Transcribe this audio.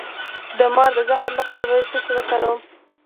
د مار د زهر لپاره باید څه شی وکاروم؟